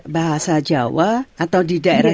bahasa jawa atau di daerah